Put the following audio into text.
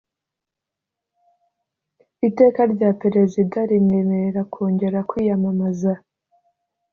iteka rya perezida rimwemerera kongera kwiyamamaza